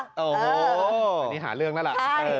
อันนี้หาเรื่องแล้วล่ะ